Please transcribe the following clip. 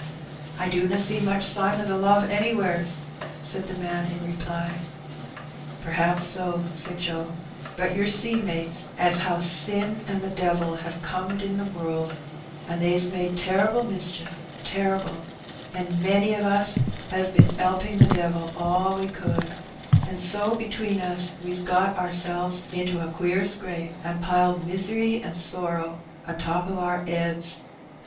''I dunna see much sign o' the love anywheres/' said the man in reply. '^Pr'aps so," said Joe. ''But yer see, mates, as how sin an' the devil have corned in th' world, an' they's made terrible mischief, terrible, and many o' us 'as bin 'elping the devil all wc could, an' so between us we's got oursels into a queer scrape, an' piled misery an' sorrow o' top o' our 'eads.